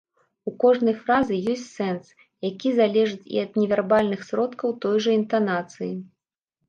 У кожнай фразы ёсць сэнс, які залежыць і ад невярбальных сродкаў, той жа інтанацыі.